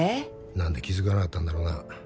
何で気付かなかったんだろうな